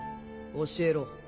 教えろ。